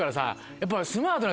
やっぱ。